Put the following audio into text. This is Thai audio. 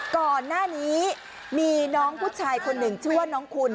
ก่อนหน้านี้มีน้องผู้ชายคนหนึ่งชื่อว่าน้องคุณ